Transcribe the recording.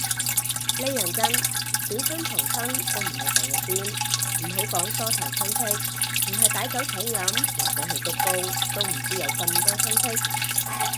呢樣真，表親堂親都唔係成日見，唔好講疏堂親戚，唔係擺酒請飲或者去鞠躬都唔知有咁多親戚